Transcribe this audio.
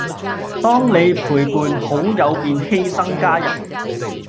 當你陪伴好友便犧牲家人